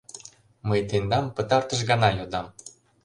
Мый тендам пытартыш гана йодам!